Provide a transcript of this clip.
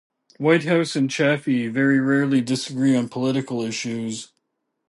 Whitehouse and Chafee very rarely disagree on political issues.